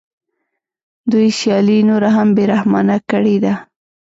دوی سیالي نوره هم بې رحمانه کړې ده